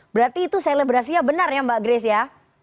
berarti itu selebrasinya benar ya mbak grace ya